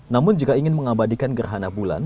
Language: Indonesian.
namun jika ingin mengabadikan gerhana bulan